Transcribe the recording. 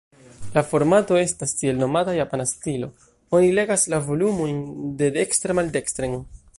La formato estas tiel-nomata "Japana stilo"; oni legas la volumojn dedekstre-maldekstren.